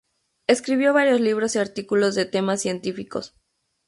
Escribió varios libros y artículos de temas científicos.